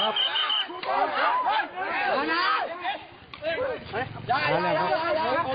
อ้าว